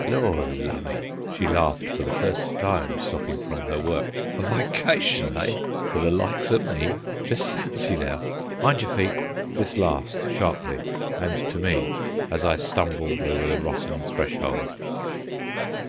"Lor' lumme!" she laughed, for the first time stopping from her work. "A vycytion, eh? for the likes o' me? Just fancy, now!—Mind yer feet!"—this last sharply, and to me, as I stumbled over the rotten threshold.